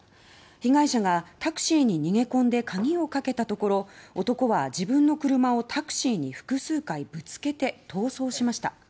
被害者がタクシーに逃げ込んで鍵をかけたところ男は自分の車をタクシーに複数回ぶつけて逃走しました。